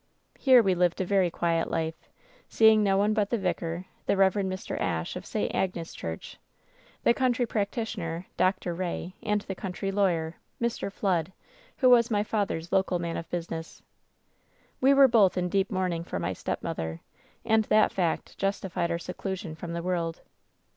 "Here we lived a very quiet life, seeing no one but the vicar, the Eev. Mr. Ashe, of St. Agnes' Church, the WHEN SHADOWS DIE 815 country practitioner, Dr. Ray, and the country lawyer, Mr. Flood, who was my father's local man of business. "We were both in deep mourning for my stepmother, and that fact justified our seclusion from the world.